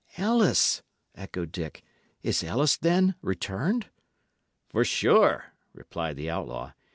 "Ellis!" echoed Dick. "Is Ellis, then, returned? "For sure," replied the outlaw.